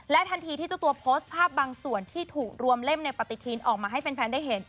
ทันทีที่เจ้าตัวโพสต์ภาพบางส่วนที่ถูกรวมเล่มในปฏิทินออกมาให้แฟนได้เห็น